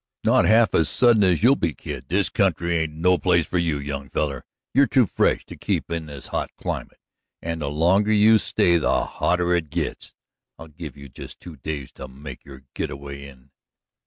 "Not half as sudden as you'll be, kid. This country ain't no place for you, young feller; you're too fresh to keep in this hot climate, and the longer you stay the hotter it gits. I'll give you just two days to make your gitaway in."